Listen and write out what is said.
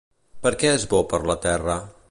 Per què és bo per la terra?